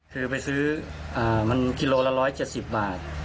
คือไปซื้อมันกิโลละ๑๗๐บาท